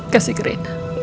kasih ke rena